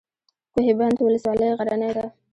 کوه بند ولسوالۍ غرنۍ ده؟